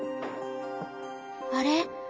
あれ？